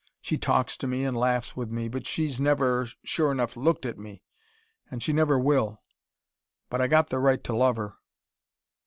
She talks to me, an' laughs with me, but she's never sure 'nough looked at me. An' she never will. But I got the right to love her."